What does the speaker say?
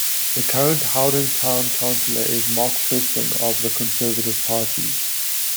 The current Howden town councillor is Mark Preston, of the Conservative Party.